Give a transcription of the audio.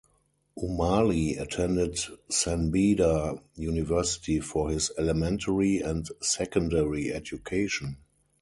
Umali attended San Beda University for his elementary and secondary education.